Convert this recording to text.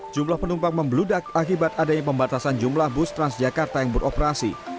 jumlah penumpang membeludak akibat adanya pembatasan jumlah bus transjakarta yang beroperasi